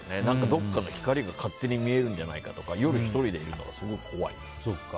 どこかの光が勝手に見えるんじゃないかとか夜１人でいるのがすごく怖いです。